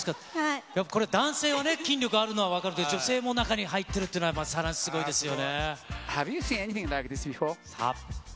これ、男性はね、筋力あるのは分かるけど、女性も中に入ってるっていうのが、さらにすごいですよね。